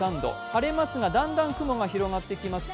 晴れますがだんだん雲が広がってきます。